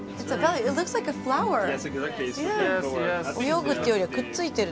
泳ぐっていうよりはくっついてる。